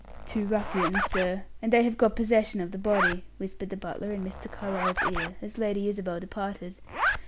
"Two ruffians, sir, and they have got possession of the body," whispered the butler in Mr. Carlyle's ear, as Lady Isabel departed.